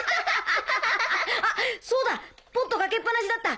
あっそうだポットかけっぱなしだった。